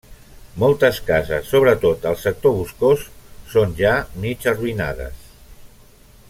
Moltes cases, sobretot al sector boscós, són ja mig arruïnades.